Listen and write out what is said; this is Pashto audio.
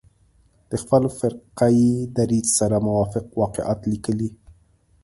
د خپل فرقه يي دریځ سره موافق واقعات لیکلي.